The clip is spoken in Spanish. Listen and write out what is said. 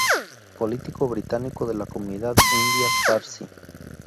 Político británico de la comunidad India Parsi.